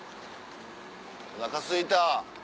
おなかすいた。